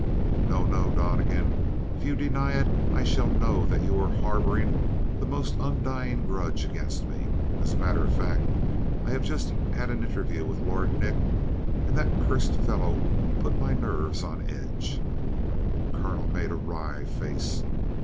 "No, no, Donnegan. If you deny it, I shall know that you are harboring the most undying grudge against me. As a matter of fact, I have just had an interview with Lord Nick, and the cursed fellow put my nerves on edge." The colonel made a wry face.